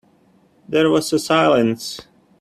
There was a silence.